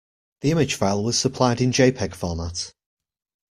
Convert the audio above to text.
The image file was supplied in jpeg format.